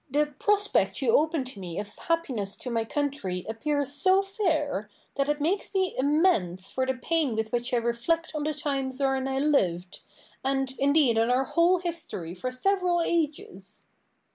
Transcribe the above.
Douglas. The prospect you open to me of happiness to my country appears so fair, that it makes me amends for the pain with which I reflect on the times wherein I lived, and indeed on our whole history for several ages.